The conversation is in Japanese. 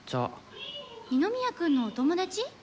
二宮君のお友達？